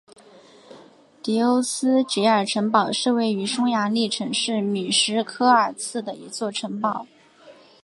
迪欧斯捷尔城堡是位于匈牙利城市米什科尔茨的一座城堡。